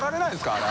あれ。